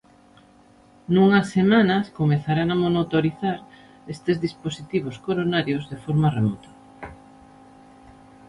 Nunhas semanas comezarán a monotorizar estes dispositivos coronarios de forma remota.